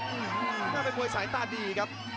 อื้อฮือน่าเป็นบวยสายตาดีครับ